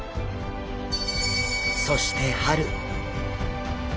そして春。